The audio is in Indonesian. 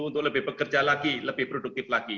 untuk lebih bekerja lagi lebih produktif lagi